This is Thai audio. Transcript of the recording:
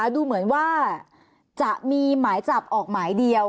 ดูเหมือนว่าจะมีหมายจับออกหมายเดียว